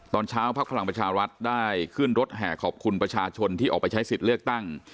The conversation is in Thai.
ตอนเช้าพักพลังประชารัฐได้ขึ้นรถแห่ขอบคุณประชาชนที่ออกไปใช้สิทธิ์เลือกตั้ง